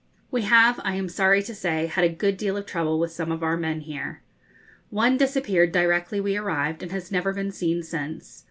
We have, I am sorry to say, had a good deal of trouble with some of our men here. One disappeared directly we arrived, and has never been seen since.